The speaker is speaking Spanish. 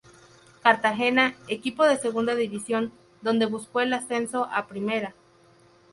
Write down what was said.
Cartagena, equipo de Segunda división, donde buscó el ascenso a Primera.